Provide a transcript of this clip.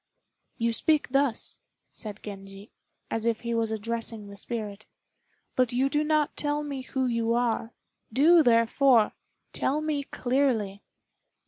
"You speak thus," said Genji, as if he was addressing the spirit, "but you do not tell me who you are. Do, therefore, tell me clearly."